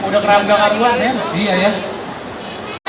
udah keras banget